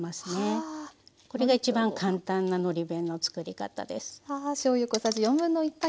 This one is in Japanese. これが一番簡単なのり弁のつくり方です。